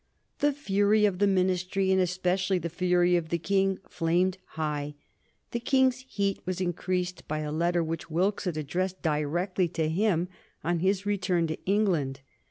The fury of the Ministry, and especially the fury of the King, flamed high. The King's heat was increased by a letter which Wilkes had addressed directly to him on his return to England.